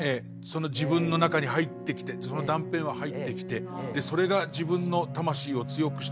自分の中に入ってきてその断片は入ってきてそれが自分の魂を強くしてみたいなことにも。